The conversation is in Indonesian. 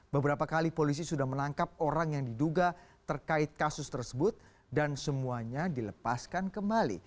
beberapa kali polisi sudah menangkap orang yang diduga terkait kasus tersebut dan semuanya dilepaskan kembali